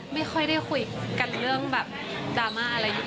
ไม่ค่อยได้คุยกันเรื่องแบบดราม่าอะไร